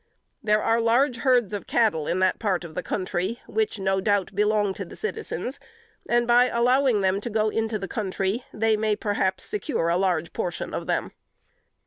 There are large herds of cattle in that part of the country which no doubt belong to the citizens, and by allowing them to go into the country, they may perhaps secure a large portion of them."